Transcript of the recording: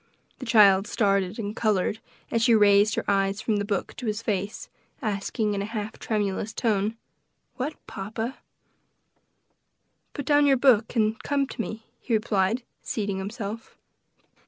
The child started and colored, as she raised her eyes from the book to his face, asking, in a half tremulous tone, "What, papa?" "Put down your book and come to me," he replied, seating himself.